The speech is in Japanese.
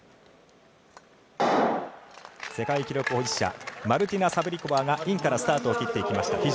世界記録保持者マルティナ・サブリコバーがインからスタートを切っていきました。